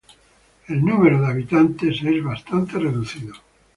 El número de habitantes es bastante reducido.